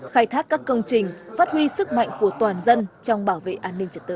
khai thác các công trình phát huy sức mạnh của toàn dân trong bảo vệ an ninh trật tự